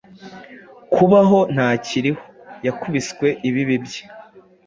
Kubaho ntakirihoyakubiswe ibibi bye